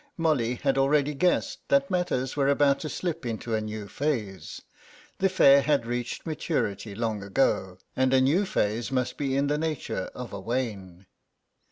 Molly had already guessed that matters were about to slip into a new phase; the affair had reached maturity long ago, and a new phase must be in the nature of a wane.